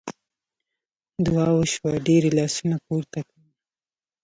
دعا وشوه ډېر یې لاسونه پورته کړل.